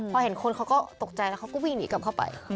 พอเห็นคนเขาก็ตกใจแล้วเขาก็วิ่งหนีกลับเข้าไป